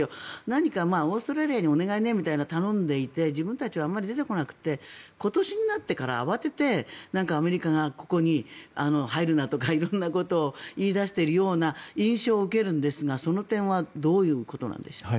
何かオーストラリアにお願いねみたいに頼んでいて自分たちはあまり出てこなくて今年になってから慌ててアメリカがここに入るなとか色んなことを言い出しているような印象を受けるんですがその点はどういうことなんでしょう。